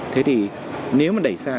thế thì nếu mà đẩy ra